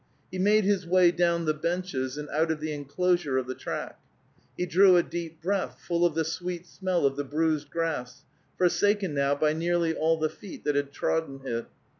He made his way down the benches, and out of the enclosure of the track. He drew a deep breath, full of the sweet smell of the bruised grass, forsaken now by nearly all the feet that had trodden it.